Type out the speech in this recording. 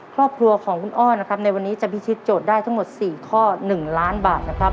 ครอบครัวของคุณอ้อนะครับในวันนี้จะพิชิตโจทย์ได้ทั้งหมด๔ข้อ๑ล้านบาทนะครับ